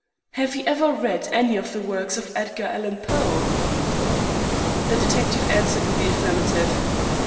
Have you ever read any of the works of Edgar Allan Poe?" The detective answered in the affirmative.